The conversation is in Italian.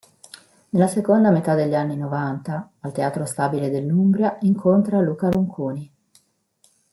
Nella seconda metà degli anni Novanta, al Teatro Stabile dell’Umbria, incontra Luca Ronconi.